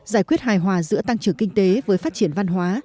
giải quyết hài hòa giữa tăng trưởng kinh tế với phát triển văn hóa